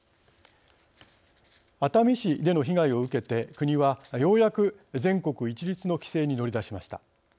熱海市での被害を受けて国は、ようやく全国一律の規制に乗り出しました。